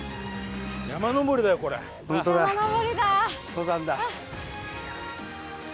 登山だ。